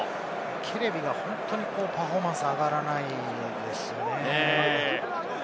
ケレビが本当にパフォーマンスが上がらないですね。